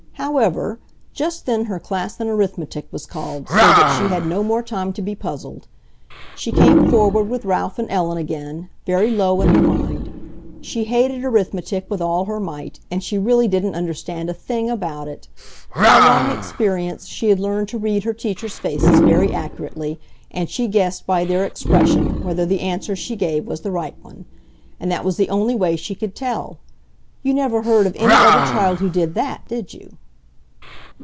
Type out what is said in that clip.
However, just then her class in arithmetic was called, so that she had no more time to be puzzled. She came forward with Ralph and Ellen again, very low in her mind. She hated arithmetic with all her might, and she really didn't understand a thing about it! By long experience she had learned to read her teachers' faces very accurately, and she guessed by their expression whether the answer she gave was the right one. And that was the only way she could tell. You never heard of any other child who did that, did you?